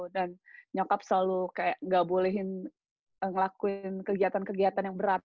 dan nyokap selalu kayak nggak bolehin ngelakuin kegiatan kegiatan yang berat